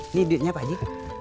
ini duitnya pak ji